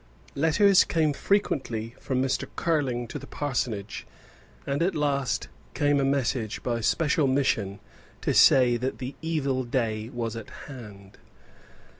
Letters came frequently from Mr. Curling to the parsonage, and at last came a message by special mission to say that the evil day was at hand.